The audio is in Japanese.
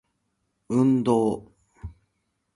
運動